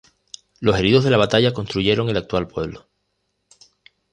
Los heridos de la batalla construyeron el actual pueblo.